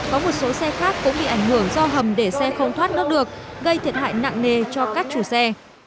có một số xe khác cũng bị ảnh hưởng do hầm để xe không thoát nước được gây thiệt hại nặng nề cho các chủ xe